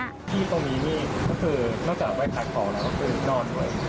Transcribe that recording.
ที่ตรงนี้นี่ก็คือนอกจากไปจัดของแล้วก็คือนอนไว้